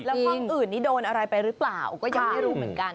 แล้วห้องอื่นนี้โดนอะไรไปหรือเปล่าก็ยังไม่รู้เหมือนกัน